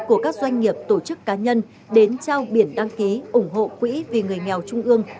của các doanh nghiệp tổ chức cá nhân đến trao biển đăng ký ủng hộ quỹ vì người nghèo trung ương